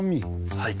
はい。